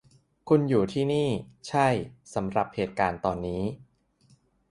คุณอยู่ที่นี่ ใช่-สำหรับเหตุการณ์ตอนนี้